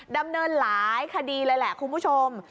ดำเนินหลายคดีเลยแหละคุณผู้ชม